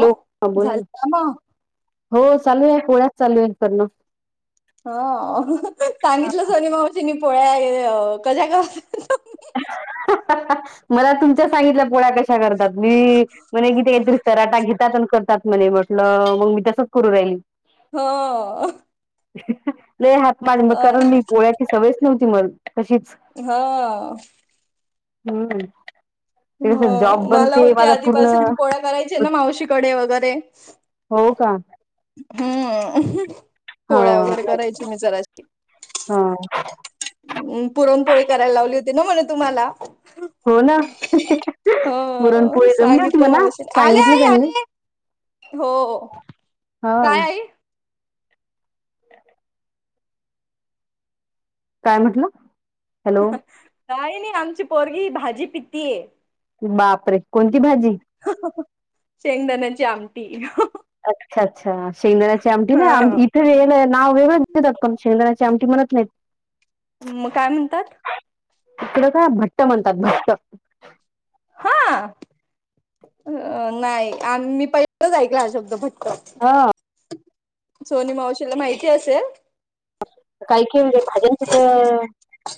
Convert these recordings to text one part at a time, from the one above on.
हो हा बोला झालं ना, का मग? हो चालू आहे पोळ्याच चालू आहे करन हा सांगितलं सोनी मावशीनी ये अ पोळ्या कशा करता. [inaudible] मला तुमच्या सांगितल्या पोळ्या कशा करतात मी म्हणे किती [unintelligible] घेतात आणि करतात. म्हणे म्हटलं मग मी तसच करू राहिली. हो. अ [unintelligible] पोळ्याची सवयच नव्हती मल तशीच हा हम्म ते कसं जॉब हो मला बनते होती माझा पूर्ण आधीपासून मी पोळ्या करायची ना मावशीकडे वगैरे हो का? हम्म हा पोळ्या वगैरे करायची मी जराशी हा पुरणपोळी करायला लावली होती ना म्हणे तुम्हाला हो ना हो पुरणपोळी जमली होती सांगितलं मला मावशीने आले सांगितलं आई त्यांनी आले हो, हा काय आई? काय म्हटलं? हॅलो काय नाही आमची पोरगी भाजी पितीय. बापरे, कोणती भाजी? शेंगदाण्याची आमटी अच्छा अच्छा शेंगदाण्याची आमटी नई ह आवडली? ते नाव वेगळच दम शेंगदाण्याची आमटठी मणत नाहीत मग काय म्हणतात इ कडं का भट्ट म्हणतात भट्ट. हा नाही आणि मी पहिलंच ऐकला हा शब्द बघ हा सोनी मावशीला माहिती असेल? काय केन जा [unintelligible]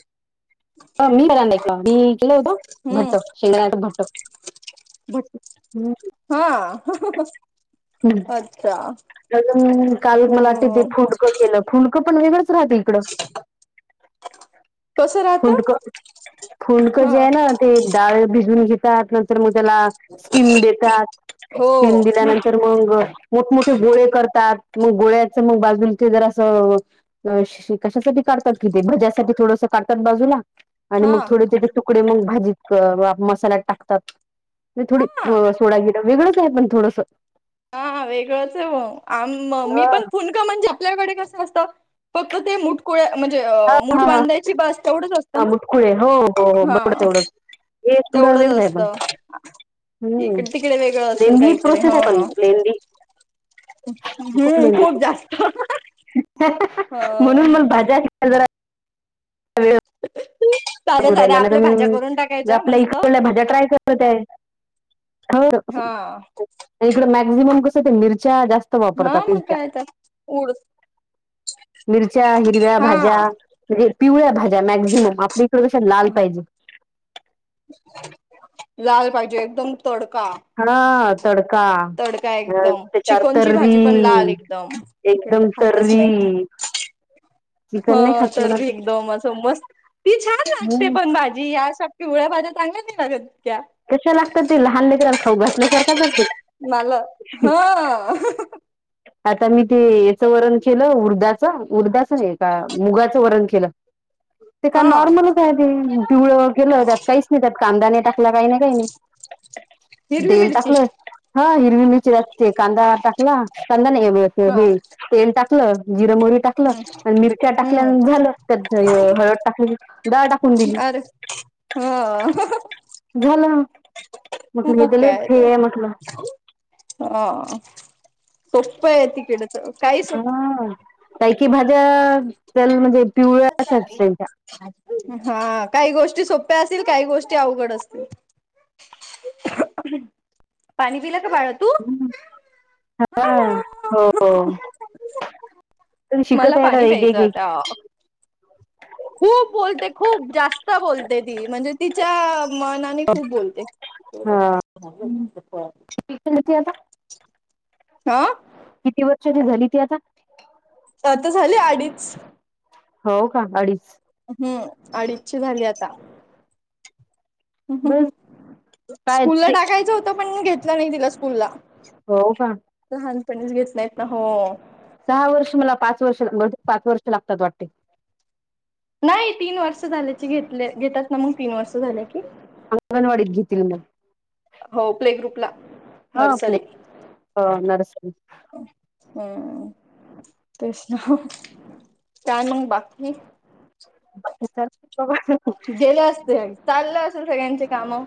मी करनला ऐकलं मी [unintelligible] हम्म भट्ट शिंगरेच्या भट्ट भट हा हहह हम्म अजून काल टीटी हम्म फूड केलं खुडं पण वेगंच राहत इकं [inaudible] कसं राहत फुंडक फुंडकं हा जे आहे ना ते डाळ भिजून घेतात नंतर म त्याला स्टीम देतात, हो स्टीम म दिल्यानंतर मंगळ मोठमोठे गोळे करतात मग गोळ्याच मग बाजूला ते जर असं कशासाठी करतात कि ते भज्यासाठी थोडस काढतात बाजूला आणि हा मग थोडे थोडे तुकडे मग भाजीत क मसाल्यात टाकतात. थोडी हा सोडा गिर वेगळंच आहे प थोडंसं हा हा वेगळंच आहे आ मी हा पण फुन. का म्हणजे आपल्याकडे कसं असतं फक्त ते मुठकुळे म्हणजे अ मुठ बांधायची बस तेवढंच असं हा मुटकुळे हो हो हो मुटकुडच एवढंच थोड तेवढंच वेळ आहे पण. असतं हम्म इकडे तिकडे वेगळं असेल लेंदी काहीतरी प्रोसेस आहे पण हा. लेंदी हम्म खूप जास्त [inaudible] हा हा हा ह म्हणून मग भाज्या शिकायला जरा [inaudible] साध्या डला साध्या आपल्या भाज्या करून टाकायच्या आपल्या मस्त इकडल्या भज्या ट्राय कर. हो ते हा [inaudible] इकड मॅक्झिमम कसं ते मिरच्या जास्त हा वापरतात मग मिरच्या काय तर उड मिरच्या हिरव्या हा भाज्या. हे पिवळ्या भाज्या मॅक्झिमम आपल्या इकडे लाल पाहिजे. लाल पाहिजे एकदम तडका. हा तडका आ तडका [unintelligible] एकदम त्याच्यावर चिकनची तर्री. भाजी पण लाल एकदम तिकडे तर एकदम खातच तरीरी. हो तरी एकदम असं मस्त ती छान लागते हम्म पण भाजी यासा पिवळ्या भाज्या चांगल्यात ना का त्या कशा लागतात ते लहान लिकला खाऊ घातल्यासारखा करते. मला हा. आता मी ते याचं वर्ण केलं उर्धाच उद्धस्त. एका मुगाचं वरण केलं. ते का हा नॉर्मल काय ते डिवळ गेलं त्यात काहीच नाही त्यात कांदा नाही टाकला काही नाही काही नाही. हिरवी तेल मिरची. टाकलं हा हिरवी मिरची लागते. कांदा टाकला, कांदा नाही हे हा तेल टाकलं जिर मोरी हम्म टाकलं मिरच्या टाकल्या हम्म झालं त्याच हळद टाकली. दाळ टाकून दिली. हो हो झालं हो म्हटलं हे मग दिले काय हे तर आहे म्हटलं हो सोप येत तिकडे. हा काकी भाज्या त्याल म्हणजे‌ ख [inaudible] हा काही गोष्टी सोप्या असतील काही गोष्टी अवघड असतील. [inaudible] पाणी पिला का बाळा. तू? हम् हा हो. मला शिकत हाय आता पाणी एक प्यायचं एक आता. खूप बोलते खूप जास्त बोलते ती म्हणजे तिच्या मनाने खूप बोलते. हम्म. कलीती आता हा. किती वर्षाची झाली ती आता? आता झाली अडीच. हो का अडीच हम्म अडीचची झाली आता. हम्म बरं हम्म काय स्कूलला ते टाकायचं होतं पण घेतलं नाही तिला स्कूलला. हो का? लहानपणीच घेत नाहीत ना हो. सहा वर्ष मला पाच वर्ष पाच वर्ष लागतात वाटते. नाही तीन वर्ष झाल्याची घेतले घेतात ना मग तीन वर्ष झाले की. अंगणवाडीत घेतील मग. हो प्ले ग्रुपला हा [unintelligible] नर्सरी प्ली नरस हम्म तेच ना हो. काय मग बाकी गेलं असते चाललं असेल सकगळ्यांच कामं.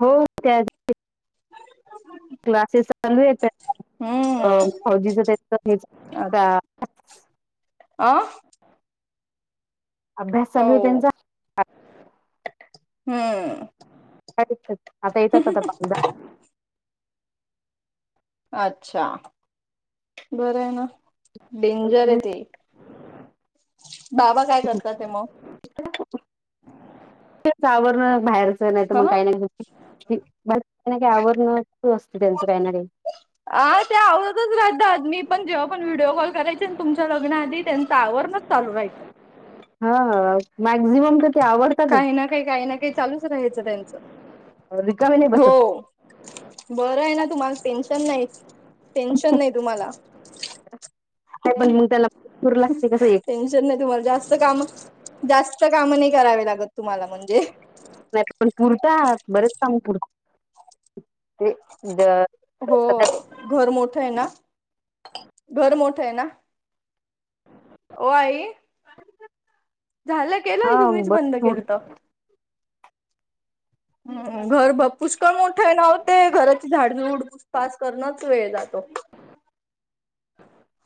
हो त्या [unintelligible] क्लासेस चालू आहे [inaudible] अ हम्म फौजीचा त्याच त्या आं अभ्यास हो चालू आहे त्यांचा. हम्म. [unintelligible] अच्छा, बरं आहे मग. डेंजर आहे ते. बाबा काय करतात आहे मग? तेच आवरण बाहेरचं नाही तर मग ह काही नाही [unintelligible] आवरलं न असते त्यांचं काही ना काही. हा ते आवरतच राहतात मी पण जेव्हा विडिओ कॉल करायचे तुमच्या लग्ना आधी त्यांचा आवरणं चालू राहायचं. हा मॅक्झिमम तर ते आवड काही ना काही, काही ना काही चालूच राहायचं त्यांचं. रिकामी नाही बसतं. हो बरं आहे ना तुम्हाला टेन्शन नाही, टेन्शन नाही तुम्हाला. ह्या बहिणी [inaudible] तूर लागते कसं एक चन मध्ये जास्त कामं जास्त कामं नाही करावे लागत तुम्हाला म्हणजे. नाही पण पुरता बरेच कामं पुर [inaudible] ते ज हो घर मोठं आहे ना, घर मोठं आहे ना. ओ आई झालं केलंय हा तुम्हीच बंद बरच केलंत. हम्म, घर पुष्कळ मोठं आहे ना ओ ते घराची झाडझूड पाच करणच वेळ जातो. [inaudible]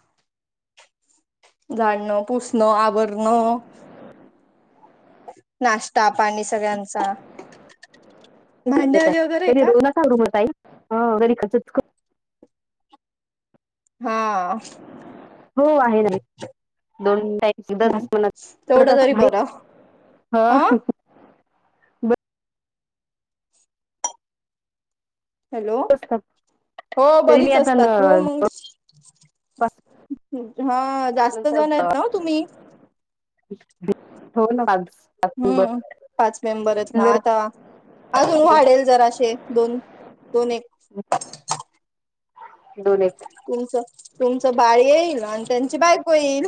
झाडणं, पुसणं, आवरणं नाश्ता, पाणी सगळ्यां भांड्यावाली वगैरे आहे का [unintelligible] ताई अ [unintelligible] हां. [inaudible] हो आहे नाही दोन टाईम तेवढं तरी सुद्धा. बरं हा [unintelligible] हॅलो असतात हो तरी मी बरीच आता असतात हो मंग अं हा. जास्त नंतर जण जा आहेत ना तुम्ही हो ना आज हम्म, पाच मेंबर आहेत ना आता. अजून वाढेल जराशे दोन दोन एक दोन एक तुमचं तुमचं बाळ येईल आणि त्यांची बायको येईल.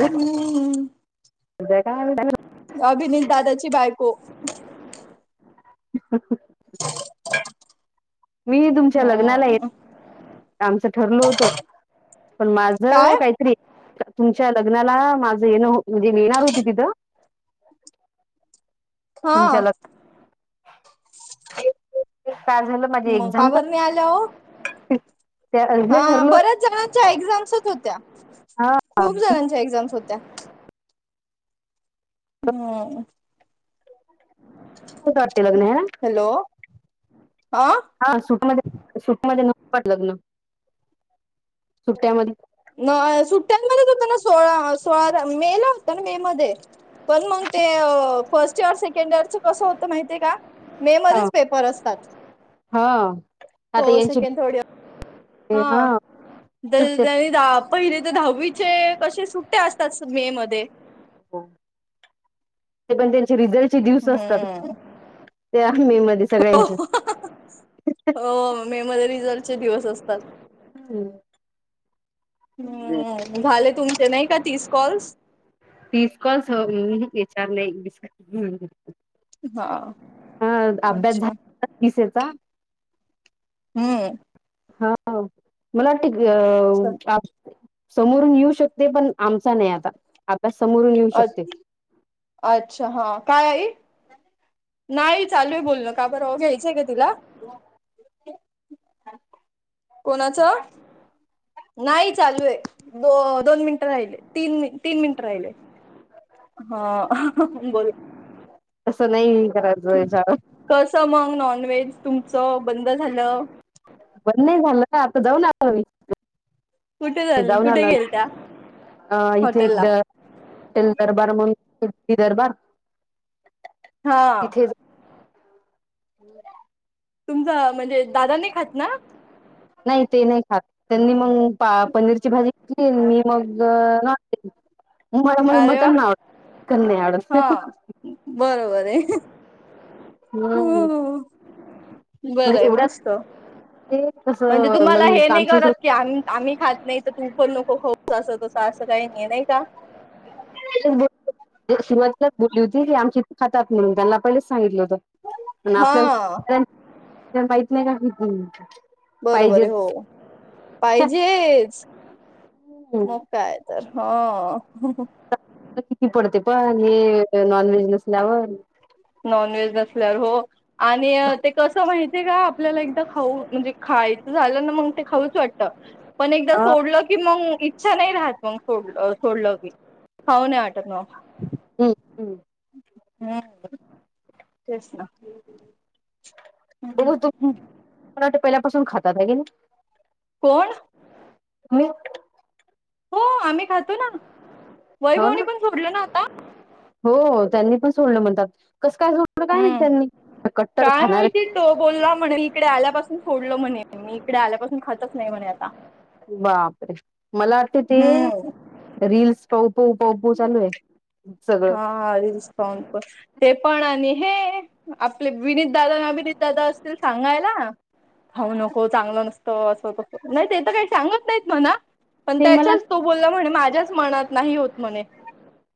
हम्म, काय अभिनीत दादाची बायको. [unintelligible] [inaudible] [inaudible] मी तुमच्या लग्नाला ये ह आमचं ठरलं होतं पण माझं काय काही तरी तुमच्या लग्नाला माझं येणं म्हणजे येणार होती तिथं हा. तुमच्या लग् काय झालं माझी मग एक्झाम का बर नाही आल्या ओ हा बऱ्याच जणांच्या एक्झाम्स होत्या हा खूप जणांच्या एक्झाम्स होत्या. [unintelligible] [unintelligible] हॅलो आं हा सुूटमध्ये सुूटमध्ये नको का लग्न सुट्ट्यामध्ये न सुट्ट्यांमध्येच होत ना सोळा सोळाला मेला होता ना मेमध्ये. पण मग ते फर्स्ट इयर, सेकंड इयरच कसं होतं माहितीय का? मे ह मध्येच पेपर असतात हा आता फर्स्ट यांची सेकंड थर्ड इयर हा. [unintelligible] पहिले ते दहावीचे कसे सुट्टे असतात मेमध्ये ते पण त्यांचे रिझल्ट चे दिवस असतात हम्म. ते मी मध्ये सगळ्यांचे हो मे मध्ये रिझल्टचे दिवस असतात हम्म. हम्म झाले तुमचे नाही का तीस कॉल्स? तीस कॉल्स विचार नाही हा. हा अभ्यास अच्छा झाला [unintelligible] हम् हा मला वाटतं [unintelligible] समोरून येऊ शकते पण आमचा नाही आता आपल्या समोरून येऊ अ शकते अच्छा हा काय आई? नाही चालू आहे बोलण का बरं घ्यायचंय का तुला? कोणाचं? नाही चालू आहे. दो-दोन मिनिट राहिले. तीन तीन मिनिट राहिले. हा बरोबर. तंस नाही करायचं विश [unintelligible] कसं मग नॉन व्हेज तुमचं बंद झालं? बंद नाही झालं का, आता जाऊन आलो मी. कुठे झालं जाऊन कुठे आलाय गेल त्या इफे हॉटेलला द हॉटेल दरबार म्हणून [unintelligible] दरबार हा.. तिथे तुमचं म्हणजे दादा नाही खात ना नाही ते नाही खात त्यांनी मग पनीरची भाजी घेतली मी मगं नॉन मला मग अरे वा मटन नाही आवडत [unintelligible] हा बरोबर आहे. हम्म. बरं म्हणजे आहे एवढ्या मस्त ते म्हणजे कसं तुम्हाला हे मग नाही आमच्या इकडे करत की आम्ही आम्ही खात नाही तर तू पण नको खाऊच असं तसं असं काही नाही नाही का [unintelligible] सुरवातीलाच बोलली होती, की आमच्या इथ खातात म्हणून त्यांना पहिलच सांगितलं होतं. पण हा आपल्या [unintelligible] नाही का बरोबर आहे पाहिजेच हो पाहिजेच. हम्म. मग काय तर हा. किती पडते पावणे नॉनव्हेज नसल्यावर नॉनव्हेज नसल्यावर हो आणि ते कसं माहिती आहे का आपल्याला एकदा खाऊ म्हणजे खायचं झालं ना मग ते खाऊच वाट पण एकदा हा सोडलं की मग इ नाही राहत मग सोडल सोडल की, खाऊ नाही वाटत मग. हम्म हम्म हम्म, तेच ना. बघ तु [unintelligible] पहिल्यापासून खातात आहे की ना कोण? [unintelligible] हो आम्ही खातो ना हो वैभव नी ना पण सोडल ना आता हो त्यांनी पण सोडल म्हणतात कस काय सो हम्म काय माहिती? तो बोलला म्हणे इकडे आल्यापासून सोडल म्हणे मी इकडे आल्यापासून खातातच नाही म्हणे आता बापरे मला वाटते ते हम्म रील्स पाहू पाहू पाहू पाहू चालू आहे. चल हा. ते पण आणि हे आपले विनीतदादा अविनीतदादा असतील सांगायला. खाऊ नको, चांगलं नसतं असं तसं, नाही ते तर काही सांगत नाहीत म्हणा. पण ते मला त्याचाच तो बोलला म्हणे माझ्याच मनात नाही होत म्हणे.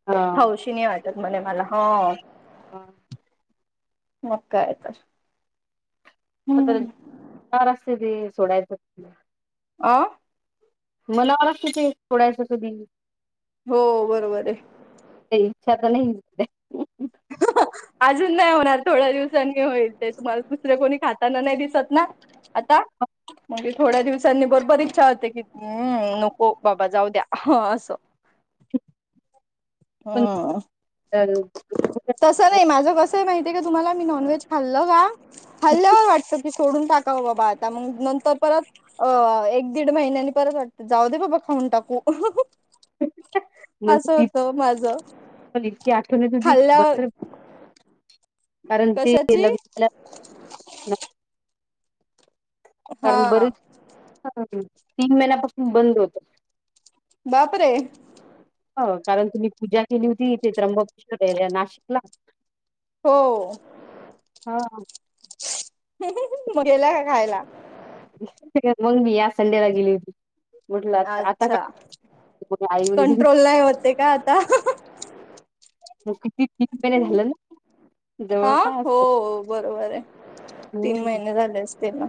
अ खाऊशे नाही वाटत म्हणे मला हा. मग काय तर [unintelligible] महाराष्ट्र ते सोडायचं. आ? मला ओळखती ती सोडायचं कधी. हो बरोबर आहे. [unintelligible] [inaudible] अजून नाही होणार थोड्या दिवसांनी होईल ते. तुम्हाला दुसरे कोणी खाताना नाही दिसत ना. आता? म्हणजे थोड्या दिवसांनी बरोबर इच्छा होते की हम्म नको बाबा जाऊ द्या असं. पण हा. तसं नाही माझ कसं माहिती आहे काी तुम्हाला मी नॉनव्हेज खाल्ल का? हल्ल्यावर वाटतं की सोडून टाकावं बाबा आता, मग नंतर परत अ एक दीड महिन्यानी परत वाटत जाऊ दे बाबा खाऊन टाकू. मला असं तर होतं माझं ती इतकी आठवण येत खाल्ल्यावर होती [unintelligible] कारण ती कशाची लग्न झाल्या हा कारण बरीच तीन महिन्यापासून बंद होत. बापरे. हो कारण तुम्ही पूजा केली होती, ते त्र्यंब [unintelligible] नाशिकला. हो. हा. मग गेला का खायाला? मग मी या संडेला गेली होती. म्हटलं आता आता का अच्छा [unintelligible] आई कंट्रोल नाही होते का आता [unintelligible] मग किती किती तीन महिने झालं ना? आ? जवळपास हो बरोबर आहे. तीन हम्म महिने झालेच त्याला.